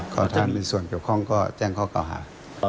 เขาถ้ามีส่วนเกี่ยวข้องก็แจ้งข้อเก่าหา